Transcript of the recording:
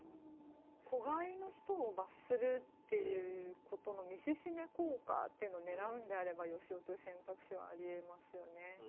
子飼いの人を罰するっていう事の見せしめ効果っていうのをねらうんであれば善男という選択肢はありえますよね。